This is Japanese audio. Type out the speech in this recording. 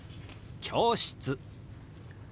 「教室」。